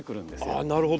あなるほど。